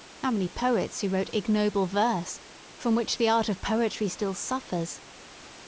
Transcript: how many poets who wrote ignoble verse from which the art of poetry still suffers?